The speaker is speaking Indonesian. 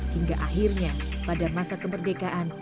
hingga akhirnya pada masa kemerdekaan